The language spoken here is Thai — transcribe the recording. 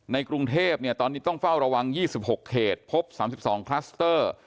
กรุงเทพตอนนี้ต้องเฝ้าระวัง๒๖เขตพบ๓๒คลัสเตอร์